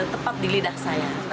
tepat di lidah saya